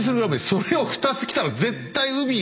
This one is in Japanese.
それを２つ着たら絶対海